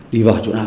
đi vào chỗ nào